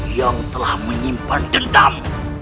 yang telah menyimpan dendam